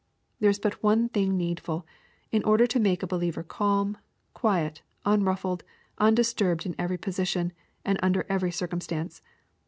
There is but one thing need ful, in order to make a believer calm, quiet, un ruffled, undisturbed in every position, and under every circumstance.